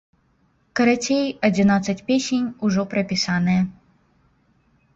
Карацей, адзінаццаць песень ужо прапісаныя.